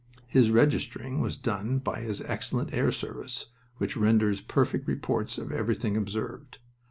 His registering was done by his excellent air service, which renders perfect reports of everything observed.